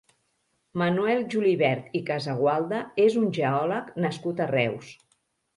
Manuel Julivert i Casagualda és un geòleg nascut a Reus.